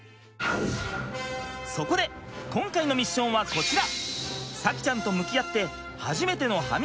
そこで今回のミッションはこちら！